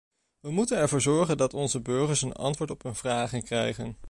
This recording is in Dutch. We moeten ervoor zorgen dat onze burgers een antwoord op hun vragen krijgen.